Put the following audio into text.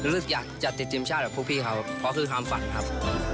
รึกยักษ์จะติดทีมชาติกับพวกพี่เพราะคือความฝันครับ